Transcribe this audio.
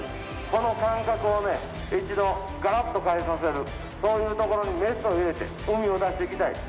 この感覚をね、一度がらっと変えさせる、そういう所にメスを入れてうみを出していきたい。